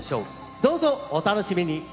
どうぞお楽しみに。